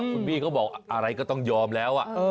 คุณบี้เขาบอกอะไรก็ต้องยอมแล้ว